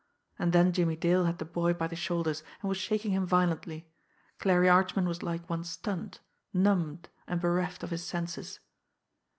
And then Jimmie Dale had the boy by the shoulders, and was shaking him violently. Clarie Archman was like one stunned, numbed, and bereft of his senses.